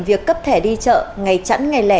việc cấp thẻ đi chợ ngày chẵn ngày lẻ